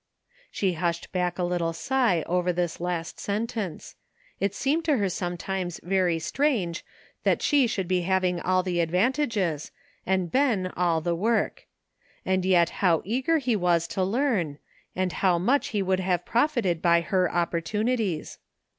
She hushed back a little sigh over this last sentence ; it seemed to her sometimes very strange that she should be having all the advantages, and Ben all the work ; and yet how eager he was to learn, and how much he would have profited by her opportunities!